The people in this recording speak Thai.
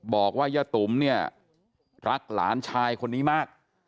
บอกว่ายะตุ๋มเนี่ยรักหลานชายคนนี้มาก